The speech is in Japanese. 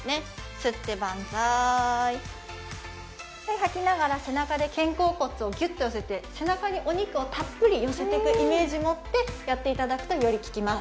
吸ってバンザイはい吐きながら背中で肩甲骨をギュッと寄せて背中にお肉をたっぷり寄せてくイメージ持ってやっていただくとより効きます